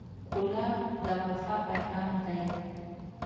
ګلاب د وفا پیغام دی.